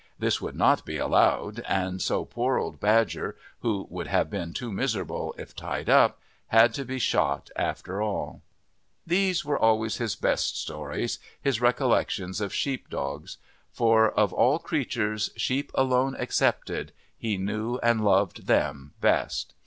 This could not be allowed, and so poor old Badger, who would have been too miserable if tied up, had to be shot after all. These were always his best stories his recollections of sheep dogs, for of all creatures, sheep alone excepted, he knew and loved them best.